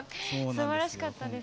すばらしかったです。